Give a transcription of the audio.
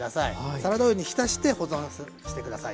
サラダオイルに浸して保存して下さい。